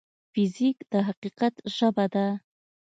فزیک د حقیقت ژبه ده.